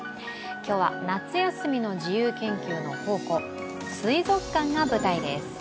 今日は夏休みの自由研究の宝庫、水族館が舞台です。